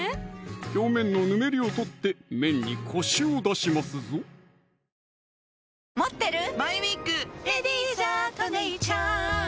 表面のぬめりを取って麺にコシを出しますぞではこちらですね